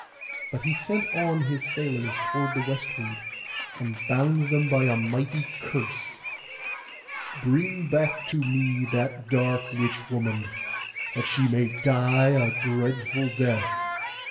But he sent on his sailors toward the westward, and bound them by a mighty curse—'Bring back to me that dark witch woman, that she may die a dreadful death.